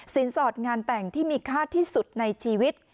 สอดงานแต่งที่มีค่าที่สุดในชีวิต